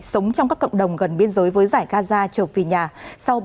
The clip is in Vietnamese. sống trong các cộng đồng gần biên giới với giải gaza chờ vì nhà